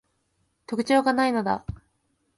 特徴が無いのだ